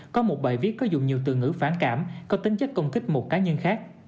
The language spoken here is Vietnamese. có một bài viết có dùng nhiều từ ngữ phản cảm có tính chất công kích một cá nhân khác